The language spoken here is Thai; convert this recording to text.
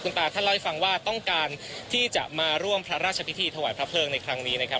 ตาท่านเล่าให้ฟังว่าต้องการที่จะมาร่วมพระราชพิธีถวายพระเพลิงในครั้งนี้นะครับ